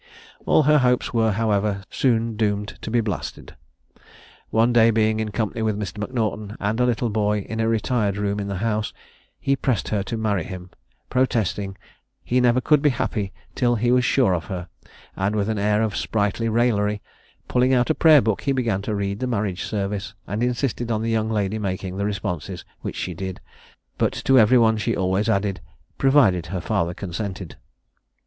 All her hopes were, however, soon doomed to be blasted. One day being in company with M'Naughton and a little boy in a retired room in the house, he pressed her to marry him, protesting he never could be happy till he was sure of her; and with an air of sprightly raillery, pulling out a prayer book, he began to read the marriage service, and insisted on the young lady making the responses, which she did; but to every one she always added, "provided her father consented."